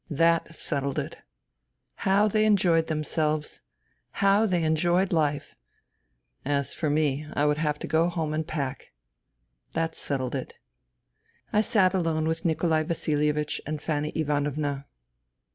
That settled it. How they enjoyed themselves ! How they enjoyed life ! As for me, I would have to go home and pack. ... That settled it. I sat alone with Nikolai Vasilievich and Fanny Ivanovna.